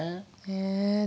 へえ。